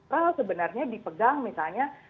soal sebenarnya dipegang misalnya